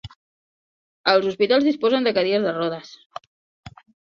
Els hospitals disposen de cadires de rodes.